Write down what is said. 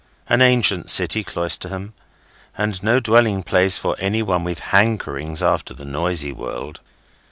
An ancient city, Cloisterham, and no meet dwelling place for any one with hankerings after the noisy world.